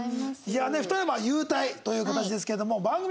２人は勇退という形ですけれども番組はね